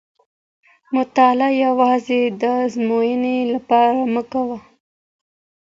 مطالعه یوازې د ازموینې لپاره مه کوه.